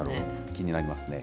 気になりますね。